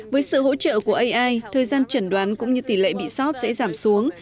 với sự hỗ trợ của ai thời gian trần đoán cũng như tỷ lệ bị sót sẽ giảm xuống